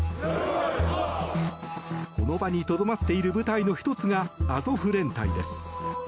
この場にとどまっている部隊の１つが、アゾフ連隊です。